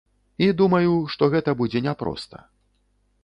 І думаю, што гэта будзе няпроста.